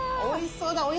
おいしそうだ。